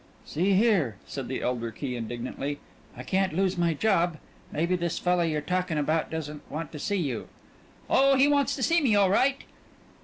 "See here," said the elder Key indignantly, "I can't lose my job. Maybe this fella you're talkin' about doesn't want to see you." "Oh, he wants to see me all right."